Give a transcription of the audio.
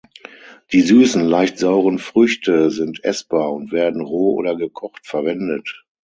Die süßen, leicht sauren Früchte sind essbar und werden roh oder gekocht verwendet.